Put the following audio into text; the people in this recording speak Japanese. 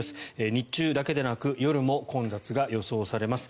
日中だけでなく夜も混雑が予想されます。